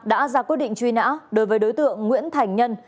đã ra quyết định truy nã đối với đối tượng nguyễn thành nhân